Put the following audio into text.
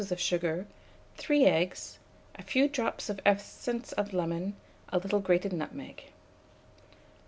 of sugar, 3 eggs, a few drops of essence of lemon, a little grated nutmeg.